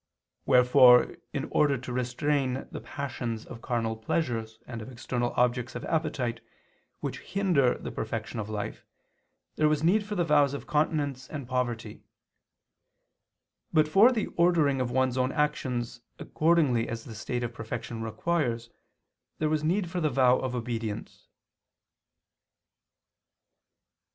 Wherefore in order to restrain the passions of carnal pleasures and of external objects of appetite, which hinder the perfection of life, there was need for the vows of continence and poverty; but for the ordering of one's own actions accordingly as the state of perfection requires, there was need for the vow of obedience.